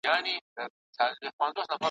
نور به نو ملنګ جهاني څه درکړي ,